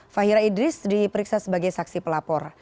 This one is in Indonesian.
fahira idris diperiksa sebagai saksi pelapor